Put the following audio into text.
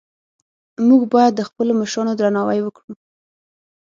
موږ باید د خپلو مشرانو درناوی وکړو